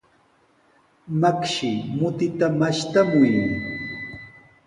Makshi, mutita mashtamuy.